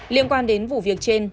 liên quan đến vụ việc trên